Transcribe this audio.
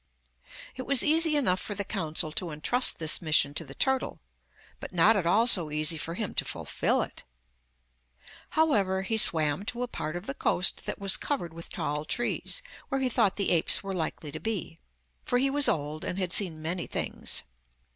It was easy enough for the council to entrust this mission to the turtle, but not at all so easy for him to fulfil it. However he swam to a part of the coast that was covered with tall trees, where he thought the apes were likely to be; for he was old, and had seen many things.